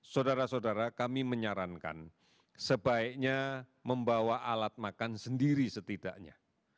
saudara saudara kami menyarankan sebaiknya membawa alat makan sendiri setidaknya